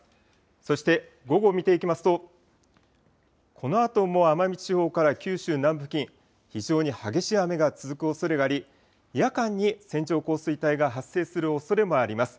そして午後を見ていきますと、このあとも奄美地方から九州南部付近、非常に激しい雨が続くおそれがあり、夜間に線状降水帯が発生するおそれもあります。